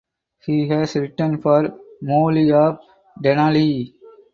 He has written for "Molly of Denali".